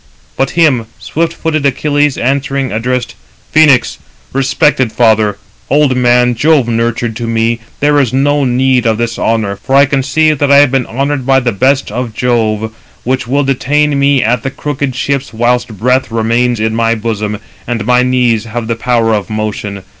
But him swift footed Achilles, answering, addressed: "Phœnix, respected father, old man, Jove nurtured, to me there is no need of this honour, for I conceive that I have been honoured by the behest of Jove, which will detain me at the crooked ships whilst breath remains in my bosom, and my knees have the power of motion.